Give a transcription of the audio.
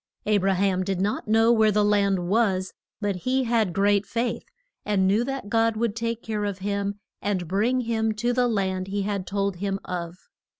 A bra ham did not know where the land was, but he had great faith, and knew that God would take care of him and bring him to the land he had told him of.